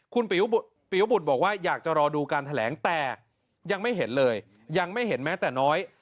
คุณปียวบุตรบอกว่าอยากจะรอดูการแถลงแต่ยังไม่เห็นเลยยังไม่เห็นแม้แต่น้อย